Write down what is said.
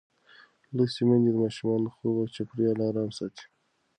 لوستې میندې د ماشومانو د خوب چاپېریال آرام ساتي.